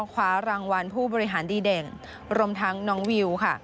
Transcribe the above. คว้ารางวัลผู้บริหารดีเด่นรวมทั้งน้องวิวค่ะ